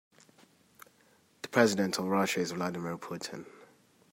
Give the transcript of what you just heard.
The president of Russia is Vladimir Putin.